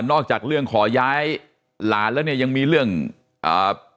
อกจากเรื่องขอย้ายหลานแล้วเนี่ยยังมีเรื่องอ่า